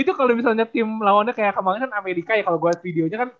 itu kalau misalnya tim lawannya kayak kemarin kan amerika ya kalau buat videonya kan